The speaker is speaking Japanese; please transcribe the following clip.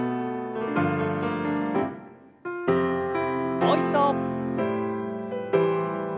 もう一度。